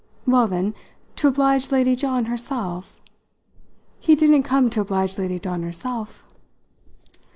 "Well, then, to oblige Lady John herself " "He didn't come to oblige Lady John herself!"